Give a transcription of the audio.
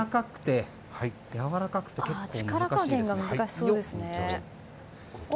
力加減が難しそうですね。